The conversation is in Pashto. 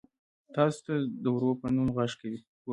تاسو ته د ورور په نوم غږ کوي.